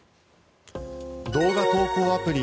動画投稿アプリ